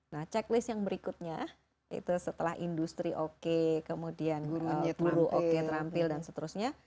nah checklist yang berikutnya itu setelah industri oke kemudian guru oke terampil dan seterusnya